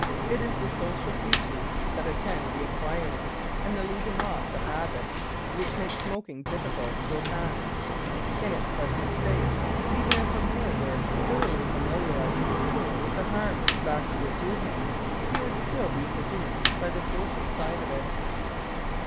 It is the social features that attend the acquiring and the leaving off the habit which make smoking difficult to attack. In its present state, even if a boy were thoroughly familiarized in school with the harm tobacco would do him, he would still be seduced by the social side of it.